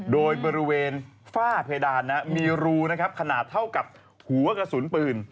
โดยบริเวณฝ้าเพดานมีรูนะครับขนาดเท่ากับหัวกระสุนปืน